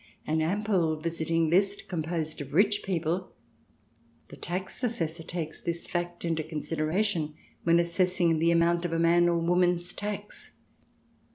An ample visiting list, composed of rich people — the tax assessor takes this fact into consideration when assessing the amount of a man or woman's tax.